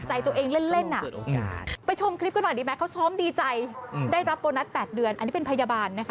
ใช่ไหมหลายคนอิจฉา